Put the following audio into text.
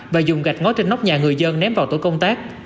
và dùng gạch ngói trên nóc nhà người dân ném vào tổ công tác